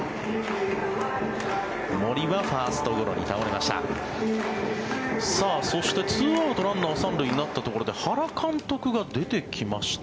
森はファーストゴロに倒れました。